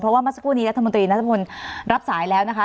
เพราะว่ามาสักครู่นี้รัฐมนตรีรัฐมนตรีรับสายแล้วนะคะ